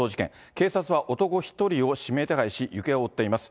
警察は男１人を指名手配し、行方を追っています。